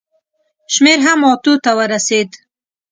شمېر هم اتو ته ورسېدی.